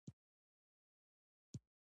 د ټولني د هوساینې د راتلونکي جوړونکي ځوانان دي.